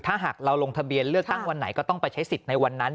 ถ้าหากเราลงทะเบียนเลือกตั้งวันไหนก็ต้องไปใช้สิทธิ์ในวันนั้น